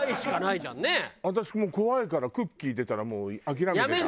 私もう怖いからＣｏｏｋｉｅ出たらもう諦めてた。